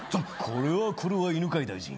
これはこれは犬飼大臣。